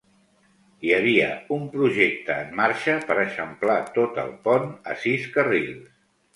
Hi havia un projecte en marxa per eixamplar tot el pont a sis carrils.